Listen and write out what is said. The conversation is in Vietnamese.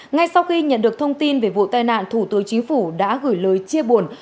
ngay sau khi nhận được thông tin về vụ tai nạn thủ tướng chính phủ đã gửi lời chia buồn